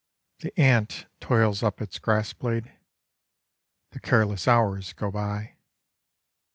The ant toils up its grass blade, The careless hours go by.